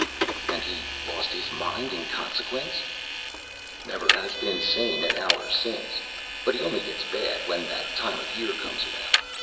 "And he lost his mind in consequence?" "Never has been sane an hour since. But he only gets bad when that time of year comes round.